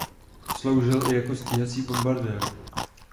Sloužil i jako stíhací bombardér.